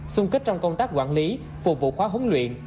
xung kích trong công tác quản lý phục vụ khóa huấn luyện